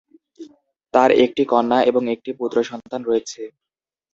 তার একটি কন্যা এবং একটি পুত্র সন্তান রয়েছে।